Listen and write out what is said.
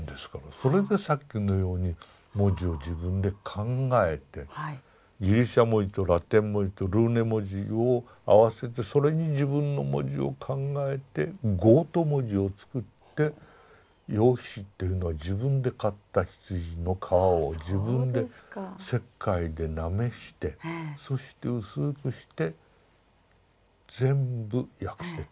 それでさっきのように文字を自分で考えてギリシャ文字とラテン文字とルーネ文字を合わせてそれに自分の文字を考えてゴート文字を作って用紙っていうのは自分で刈った羊の皮を自分で石灰でなめしてそして薄くして全部訳してったんです。